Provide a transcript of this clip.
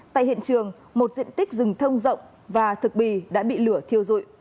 tại hiện trường một diện tích rừng thông rộng và thực bì đã bị lửa thiêu dụi